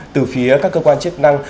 từ phía các cơ quan chức năng